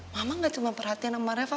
mama gak cuma perhatian sama reva